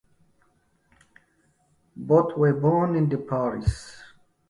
Both were born in the parish.